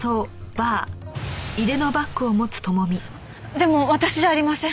でも私じゃありません！